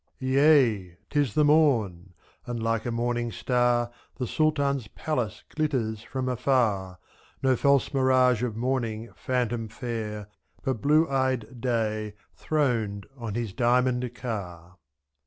Yea! 'tis the morn! and like a morning star The Sultan's palace glitters from afar, ^. No false mirage of morning, phantom fair. But blue eyed day throned on his diamond car.